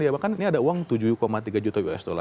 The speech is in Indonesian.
iya bahkan ini ada uang tujuh tiga juta usd